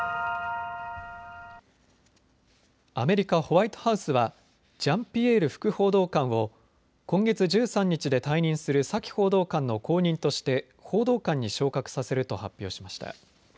アメリカ・ホワイトハウスはジャンピエール副報道官を今月１３日で退任するサキ報道官の後任として報道官に昇格させると発表しました。